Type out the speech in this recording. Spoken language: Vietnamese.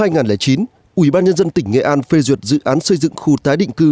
năm hai nghìn chín ủy ban nhân dân tỉnh nghệ an phê duyệt dự án xây dựng khu tái định cư